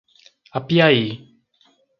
Apiaí